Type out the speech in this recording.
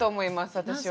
私は。